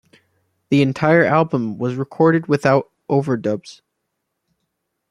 The entire album was recorded without overdubs.